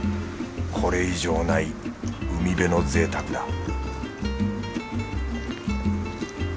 これ以上ない海辺のぜいたくだ